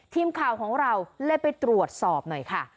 ทีมข่าวของเราเลยไปตรวจสอบหน่อยค่ะ